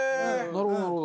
なるほどなるほど。